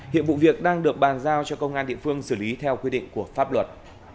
hiện vụ việc đang được bàn giao cho công an địa phương xử lý theo quy định của pháp luật